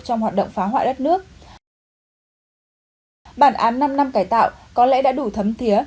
trong hoạt động phá hoại đất nước bản án năm năm cải tạo có lẽ đã đủ thấm thiế